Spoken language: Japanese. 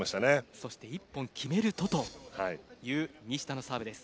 そして１本決めるとという西田のサーブです。